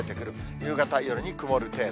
夕方、夜に曇る程度。